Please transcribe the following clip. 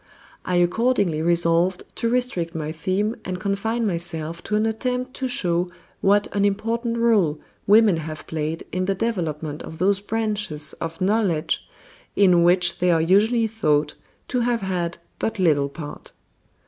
I accordingly resolved to restrict my theme and confine myself to an attempt to show what an important rôle women have played in the development of those branches of knowledge in which they are usually thought to have had but little part.